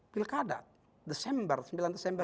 pilkada desember sembilan desember dua ribu dua puluh